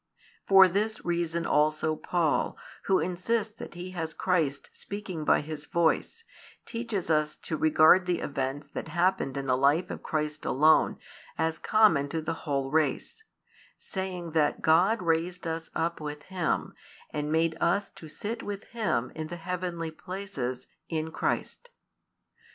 For this reason also Paul, who insists that he has Christ speaking by his voice, teaches us to regard the events that happened in the life of Christ alone as common to the whole race; saying that God raised us up with Him, and made us to sit with Him in the heavenly places, in Christ.